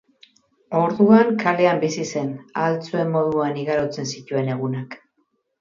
Orduan kalean bizi zen, ahal zuen moduan igarotzen zituen egunak.